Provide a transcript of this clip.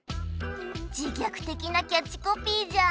自虐的なキャッチコピーじゃん